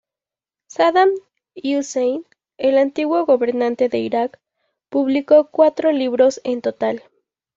Sadam Husein, el antiguo gobernante de Iraq, publicó cuatro libros en total.